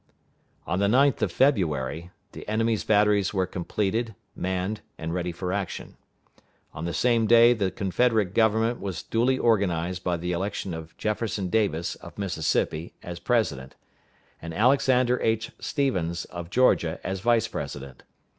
On the 9th of February, the enemy's batteries were completed, manned and ready for action. On the same day the Confederate Government was duly organized by the election of Jefferson Davis, of Mississippi, as President, and Alexander H. Stephens, of Georgia, as Vice president.